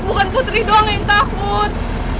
bukan putri doang yang takut